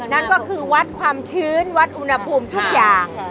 นั่นก็คือวัดความชื้นวัดอุณหภูมิทุกอย่าง